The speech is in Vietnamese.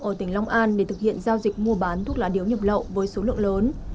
ở tỉnh long an để thực hiện giao dịch mua bán thuốc lá điếu nhập lậu với số lượng lớn